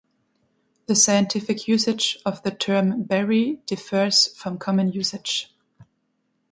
The scientific usage of the term "berry" differs from common usage.